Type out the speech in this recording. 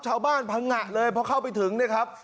ชาวบ้านพังงะเลยพอเข้าไปถึง